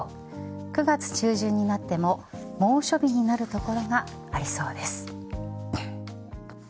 ９月中旬になっても猛暑日になる所がありそうです。